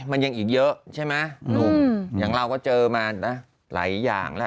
มันยังอีกเยอะใช่ไหมหนุ่มอย่างเราก็เจอมานะหลายอย่างแล้ว